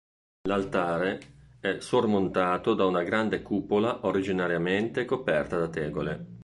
L'altare è sormontato da una grande cupola originariamente coperta da tegole.